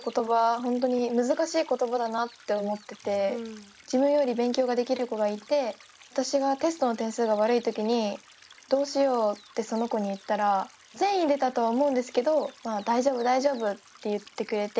本当に難しい言葉だなって思ってて自分より勉強ができる子がいて私がテストの点数が悪いときに「どうしよう」ってその子に言ったら善意でだとは思うんですけど「まあ大丈夫大丈夫」って言ってくれて。